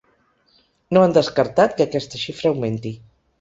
No han descartat que aquesta xifra augmenti.